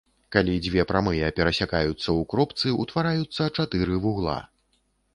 Калі дзве прамыя перасякаюцца ў кропцы, утвараюцца чатыры вугла.